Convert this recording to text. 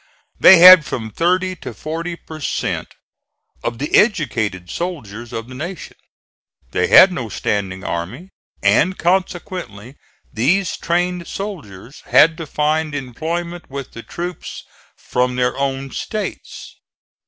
They had from thirty to forty per cent. of the educated soldiers of the Nation. They had no standing army and, consequently, these trained soldiers had to find employment with the troops from their own States.